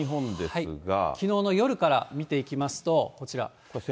きのうの夜から見ていきますと、こちら。